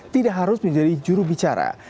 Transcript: tidak harus menjadi jurubicara